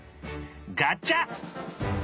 ガチャ！